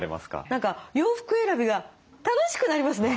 何か洋服選びが楽しくなりますね。